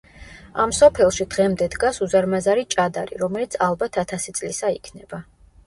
ამ სოფელში დღემდე დგას უზარმაზარი ჭადარი, რომელიც ალბათ ათასი წლისა იქნება.